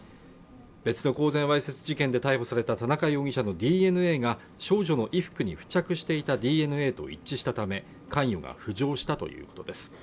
別の公然わいせつ事件で逮捕された田中容疑者のＤＮＡが少女の衣服に付着していたＤＮＡと一致したため、関与が浮上したということです。